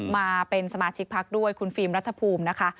มาเป็นสมาชิกพักด้วยคุณฟิล์มรัฐภูมินะคะ